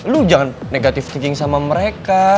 lo jangan negatif thinking sama mereka